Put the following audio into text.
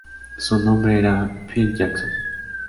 Su nombre era Phil Jackson.